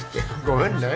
ごめんね。